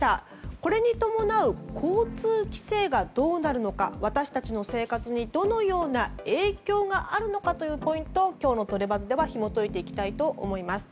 これに伴う交通規制がどうなるのか私たちの生活にどのような影響があるのかというポイントをポイントを今日のトレバズではひも解いていきたいと思います。